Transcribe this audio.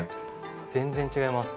全然違います。